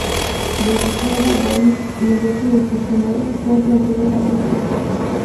Desde Járkov, Volin y el resto de prisioneros fueron transferidos a Moscú.